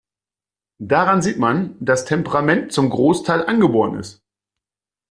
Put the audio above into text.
Daran sieht man, dass Temperament zum Großteil angeboren ist.